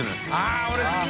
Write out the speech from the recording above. ◆舛俺好き！